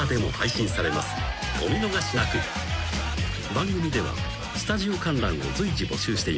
［番組ではスタジオ観覧を随時募集しています］